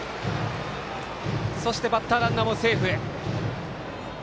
そしてバッターランナーもセーフ。